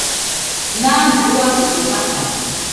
Nana ruakɨ kaɨ fakallɨ